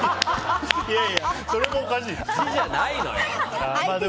いやいや、それもおかしい。